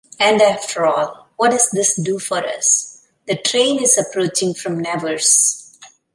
And after all, what does this do for us? The train is approaching from Nevers.